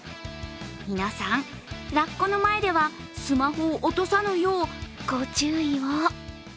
皆さん、ラッコの前ではスマホを落とさぬよう、ご注意を。